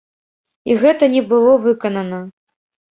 І гэта не было выканана.